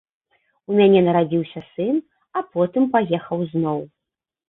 У мяне нарадзіўся сын, а потым паехаў зноў.